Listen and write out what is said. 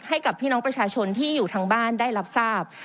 ให้กับพี่น้องประชาชนที่อยู่ทางบ้านได้รับทราบ